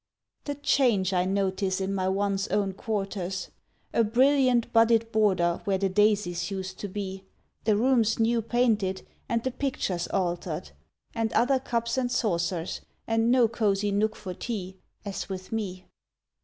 The change I notice in my once own quarters! A brilliant budded border where the daisies used to be, The rooms new painted, and the pictures altered, And other cups and saucers, and no cozy nook for tea As with me.